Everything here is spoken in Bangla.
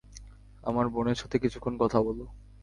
আমার বোনের সাথে কিছুক্ষণ কথা বলো।